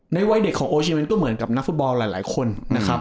วัยเด็กของโอเชวินก็เหมือนกับนักฟุตบอลหลายคนนะครับ